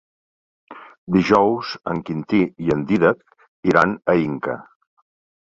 Dijous en Quintí i en Dídac iran a Inca.